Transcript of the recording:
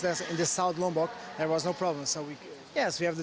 jadi kita bisa berhenti